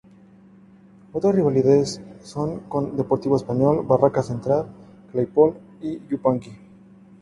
Otras rivalidades son con, Deportivo Español, Barracas Central, Claypole y Yupanqui.